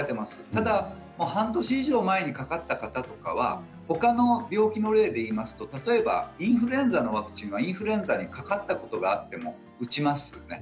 ただ半年以上前にかかった方とかはほかの病気の例で言いますと例えばインフルエンザのワクチンはインフルエンザにかかったことがあっても打ちますよね。